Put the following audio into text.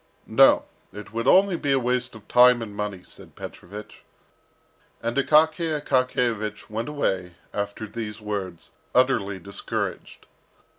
"No, it would only be a waste of time and money," said Petrovich. And Akaky Akakiyevich went away after these words, utterly discouraged.